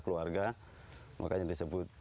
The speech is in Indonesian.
keluarga makanya disebut